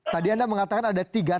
tadi anda mengatakan ada tiga